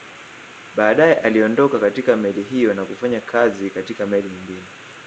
Baadae aliondoka katika meli hiyo na kufanya kazi katika meli nyingine